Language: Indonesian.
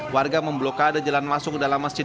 warga memblokade jalan masuk ke dalam masjid